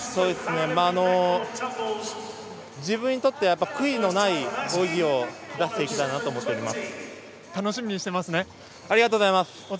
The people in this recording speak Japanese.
自分にとって悔いのない泳ぎを出していきたいと思います。